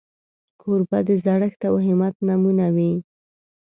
کوربه د زړښت او همت نمونه وي.